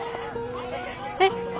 えっ？